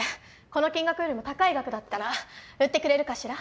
この金額よりも高い額だったら売ってくれるかしら？